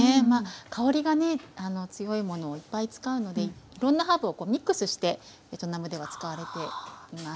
香りがね強いものをいっぱい使うのでいろんなハーブをミックスしてベトナムでは使われています。